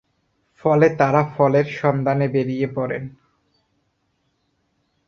ফলে তাঁরা ফলের সন্ধানে বেরিয়ে পড়েন।